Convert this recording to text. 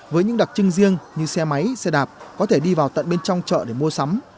với những đặc trưng riêng như xe máy xe đạp có thể đi vào tận bên trong chợ để mua sắm